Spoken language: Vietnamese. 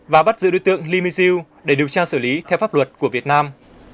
và bắt giữ đối tượng li mingzhu để được trang xử lý theo pháp luật của việt nam